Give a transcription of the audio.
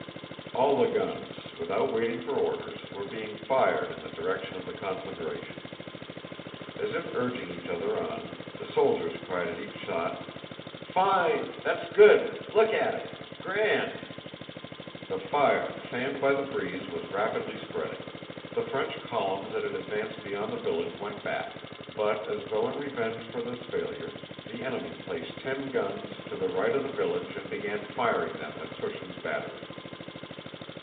All the guns, without waiting for orders, were being fired in the direction of the conflagration. As if urging each other on, the soldiers cried at each shot: "Fine! That's good! Look at it... Grand!" The fire, fanned by the breeze, was rapidly spreading. The French columns that had advanced beyond the village went back; but as though in revenge for this failure, the enemy placed ten guns to the right of the village and began firing them at Túshin's battery.